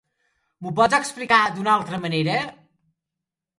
M'ho pots explicar d'una altra manera?